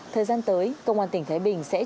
thời gian tới công an tỉnh thái bình sẽ trở lại